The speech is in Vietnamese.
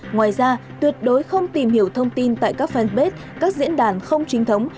ngoài ra tuyệt đối không tìm hiểu thông tin tại các fanpage các diễn đàn không chính thống